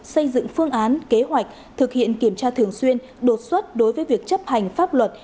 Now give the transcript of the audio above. xây dựng phương án kế hoạch thực hiện kiểm tra thường xuyên đột xuất đối với việc chấp hành pháp luật